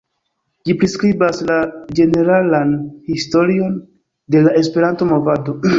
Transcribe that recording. Ĝi priskribas la ĝeneralan historion de la Esperanto-movado.